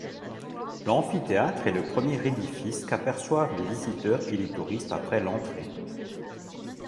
L'amphithéâtre est le premier édifice qu'aperçoivent les visiteurs et les touristes après l'entrée.